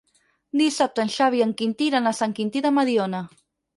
Dissabte en Xavi i en Quintí iran a Sant Quintí de Mediona.